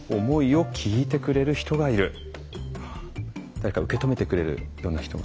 誰か受け止めてくれるような人が。